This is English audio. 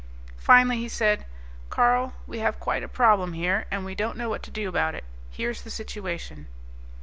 Finally he said, "Carl, we have quite a problem here, and we don't know what to do about it. Here's the situation."